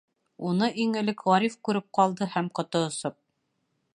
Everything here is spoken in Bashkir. Уны иң элек Ғариф күреп ҡалды һәм, ҡото осоп: